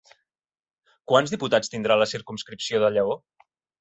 Quants diputats tindrà la circumscripció de Lleó?